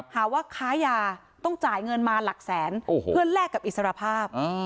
หาว่าค้ายาต้องจ่ายเงินมาหลักแสนเพื่อแลกกับอิสรภาพ